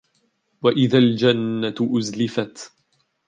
وإذا الجنة أزلفت